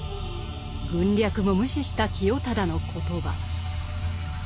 軍略も無視した清忠の言葉。